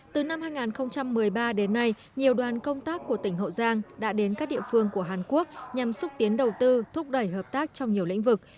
từ năm hai nghìn một mươi ba đến nay nhiều đoàn công tác của tỉnh hậu giang đã đến các địa phương của hàn quốc nhằm xúc tiến đầu tư thúc đẩy hợp tác trong nhiều lĩnh vực